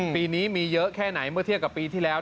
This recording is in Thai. ปีนี้มีเยอะแค่ไหนเมื่อเทียบกับปีที่แล้ว